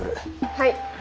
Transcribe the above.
はい。